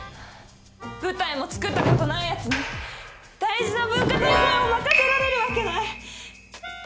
舞台も作ったことないやつに大事な文化祭公演を任せられるわけない！